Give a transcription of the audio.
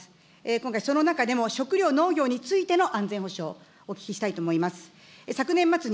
今回、その中でも食料・農業についての安全保障、お聞きしたいと思います。